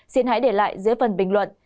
xin hãy để lại dưới phần bình luận